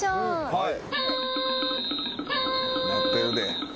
はい。